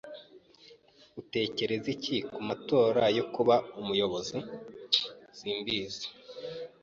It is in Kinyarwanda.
"Utekereza iki ku matora yo kuba umuyobozi?" "Simbizi."